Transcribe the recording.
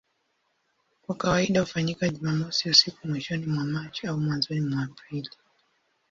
Kwa kawaida hufanyika Jumamosi usiku mwishoni mwa Machi au mwanzoni mwa Aprili.